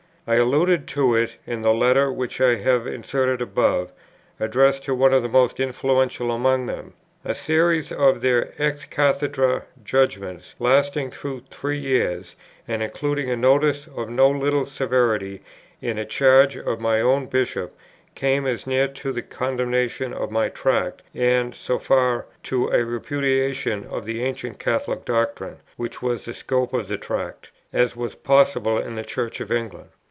I alluded to it in the letter which I have inserted above, addressed to one of the most influential among them. A series of their ex cathedrâ judgments, lasting through three years, and including a notice of no little severity in a Charge of my own Bishop, came as near to a condemnation of my Tract, and, so far, to a repudiation of the ancient Catholic doctrine, which was the scope of the Tract, as was possible in the Church of England.